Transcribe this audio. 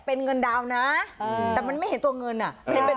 เป็นเงินดาวนะแต่มันไม่เห็นตัวเงินอ่ะ